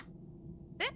えっ？